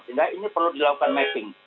sehingga ini perlu dilakukan mapping